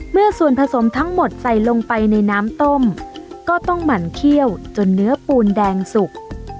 เมื่อส่วนผสมทั้งหมดใส่ลงไปในน้ำต้มก็ต้องหมั่นเขี้ยวจนเนื้อปูนแดงสุก